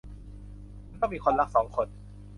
คุณต้องมีคนรักสองคน